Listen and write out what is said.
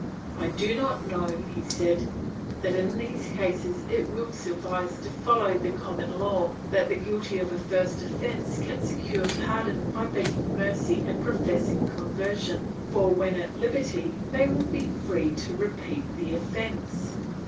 "I do not know," he said, "that in these cases it will suffice to follow the common law that the guilty of a first offence can secure pardon by begging mercy and professing conversion for, when at liberty, they will be free to repeat the offence.